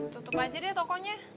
tutup aja deh tokonya